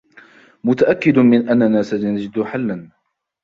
متأكّد من أننا سنجد حلّا.